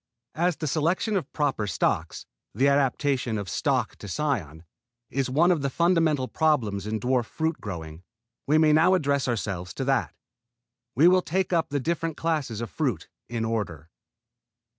As the selection of proper stocks the adaptation of stock to cion is one of the fundamental problems in dwarf fruit growing, we may now address ourselves to that. We will take up the different classes of fruit in order.